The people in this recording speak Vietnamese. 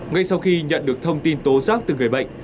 ngay sau khi nhận được thông tin tố giác từ người bệnh